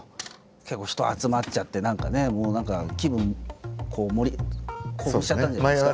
結構人集まっちゃって何かねもう何か気分興奮しちゃったんじゃないですか。